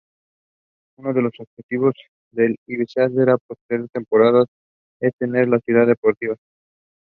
Peru is in the Neotropical realm.